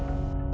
aku mau ke rumah